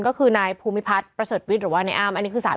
ก็คือนายภูมิพัฒน์ประเสริฐวิทย์หรือว่านายอ้าม